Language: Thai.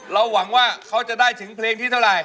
หวังว่าเขาจะได้ถึงเพลงที่เท่าไหร